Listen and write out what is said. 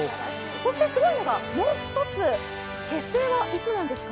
そしてすごいのがもう１つ、結成はいつなんですか。